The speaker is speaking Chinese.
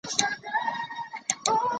指券相似。